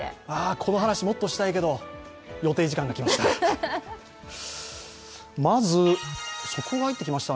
この話、もっとしたいけど予定時間が来ました。